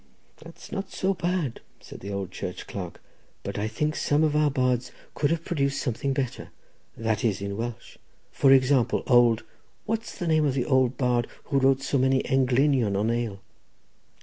'" "That's not so bad," said the old church clerk, "but I think some of our bards could have produced something better—that is, in Welsh; for example, old—. What's the name of the old bard who wrote so many englynion on ale?"